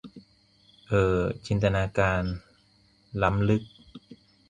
เอ่อ จินตนาการล้ำลึก